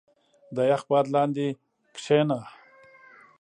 • د یخ باد لاندې کښېنه.